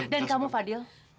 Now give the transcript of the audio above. dan kamu fadil